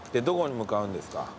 どこに向かうんですか？